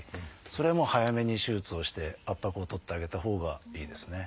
それはもう早めに手術をして圧迫を取ってあげたほうがいいですね。